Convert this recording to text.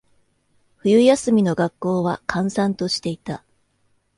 冬休みの学校は、閑散としていた。